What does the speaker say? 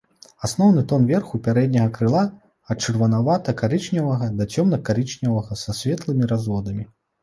Асноўны тон верху пярэдняга крыла ад чырванавата-карычневага да цёмна-карычневага са светлымі разводамі.